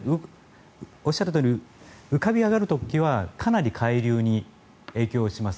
おっしゃるとおり浮かび上がる時はかなり海流に影響します。